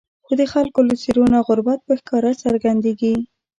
خو د خلکو له څېرو نه غربت په ښکاره څرګندېږي.